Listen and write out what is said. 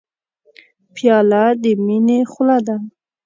پیاله د مینې خوله ده.